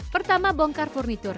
pertama bongkar furniture